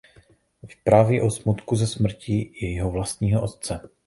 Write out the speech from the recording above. Vypráví o smutku ze smrti jejího vlastního otce.